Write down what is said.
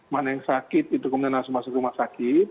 mana yang sakit itu kemudian langsung masuk rumah sakit